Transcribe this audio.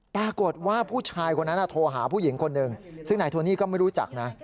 ผู้ชายคนนั้นโทรหาผู้หญิงคนหนึ่งซึ่งนายโทนี่ก็ไม่รู้จักนะ